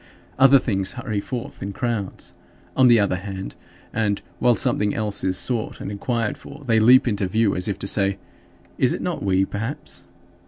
Other things hurry forth in crowds, on the other hand, and while something else is sought and inquired for, they leap into view as if to say, "Is it not we, perhaps?"